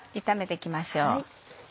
炒めて行きましょう。